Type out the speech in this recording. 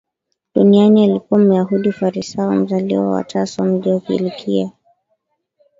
duniani Alikuwa Myahudi Farisayo mzaliwa wa Tarso mji wa Kilikia